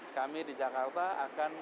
kami di jakarta akan